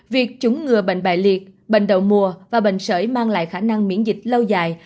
việc trúng ngừa bệnh bại liệt bệnh đậu mùa và bệnh sởi mang lại khả năng miễn dịch lâu dài